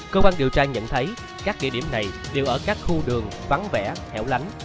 cơ quan điều tra nhận thấy các địa điểm này đều ở các khu đường vắng vẻ hẻo lánh